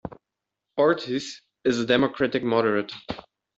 Ortiz is a Democratic moderate.